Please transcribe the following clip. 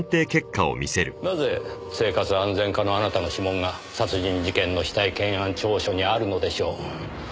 なぜ生活安全課のあなたの指紋が殺人事件の死体検案調書にあるのでしょう。